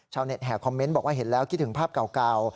แห่คอมเมนต์บอกว่าเห็นแล้วคิดถึงภาพเก่า